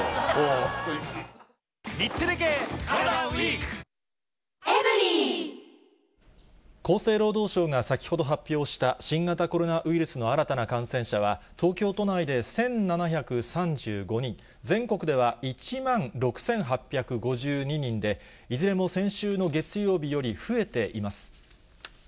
サントリー「ＶＡＲＯＮ」厚生労働省が先ほど発表した新型コロナウイルスの新たな感染者は、東京都内で１７３５人、全国では１万６８５２人で、いずれも先週の月曜日より増えています。